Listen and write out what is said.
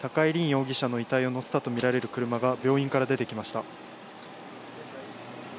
容疑者の遺体を乗せたと見られる車が、病院から出てきました。